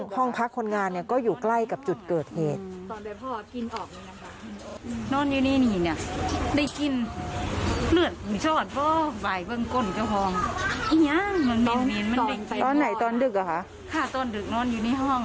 ห้องพักคนงานก็อยู่ใกล้กับจุดเกิดเหตุ